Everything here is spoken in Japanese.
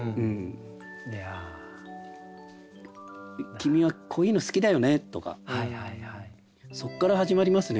「君はこういうの好きだよね」とかそっから始まりますね